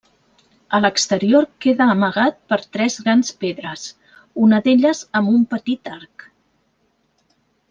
A l'exterior queda amagat per tres grans pedres, una d'elles amb un petit arc.